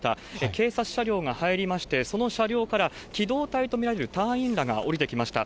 警察車両が入りまして、その車両から、機動隊と見られる隊員らが降りてきました。